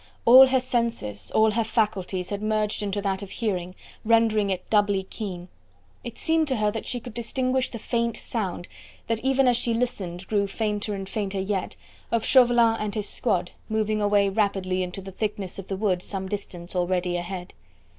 All her senses, all her faculties had merged into that of hearing, rendering it doubly keen. It seemed to her that she could distinguish the faint sound that even as she listened grew fainter and fainter yet of Chauvelin and his squad moving away rapidly into the thickness of the wood some distance already ahead.